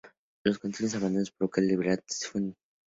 Los continuos abandonos provoca que el liderato se fuese alternando.